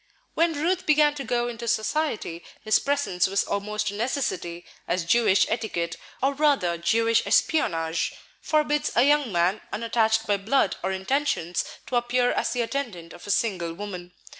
When Ruth began to go into society, his presence was almost a necessity, as Jewish etiquette, or rather Jewish espionage, forbids a young man unattached by blood or intentions to appear as the attendant of a single woman.